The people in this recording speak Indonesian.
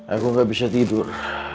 aku gak bisa tidur